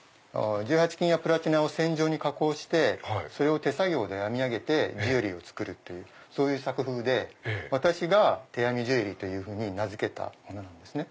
１８金やプラチナを線状に加工してそれを手作業で編み上げてジュエリーを作るという作風で私が手編みジュエリーと名付けたものなんですね。